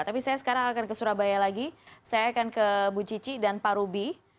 tapi saya sekarang akan ke surabaya lagi saya akan ke bu cici dan pak ruby